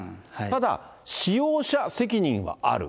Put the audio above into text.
ただ、使用者責任はある。